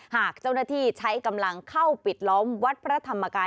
หากเจ้าหน้าที่ใช้กำลังเข้าปิดล้อมวัดพระธรรมกาย